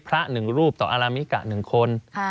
พระหนึ่งรูปต่ออารามิกะหนึ่งคน